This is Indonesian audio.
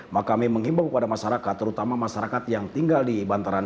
maka kami mengimbau kepada masyarakat terutama masyarakat yang tinggal di bantaran